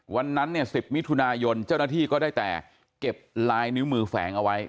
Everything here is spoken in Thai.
วันนั้นเนี่ย๑๐มิถุนายนเจ้าหน้าที่ก็ได้แต่เก็บลายนิ้วมือแฝงเอาไว้